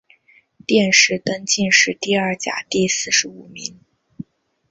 殿试登进士第二甲第四十五名。